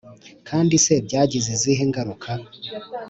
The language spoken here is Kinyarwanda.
kandi se byagize izihe ngaruka?